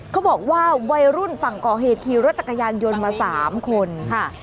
เขาบอกว่าวัยรุ่นฝั่งก่อเหตุขี่รถจักรยานยนต์มา๓คนค่ะ